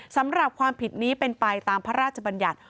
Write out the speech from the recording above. สำหรับความผิดนี้เป็นไปตามพระราชบัญญัติ